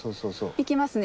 行きますね。